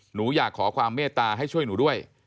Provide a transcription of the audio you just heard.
หนูอยากขอความเมตตาให้ช่วยหนูด้วย